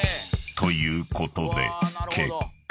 ［ということで結果］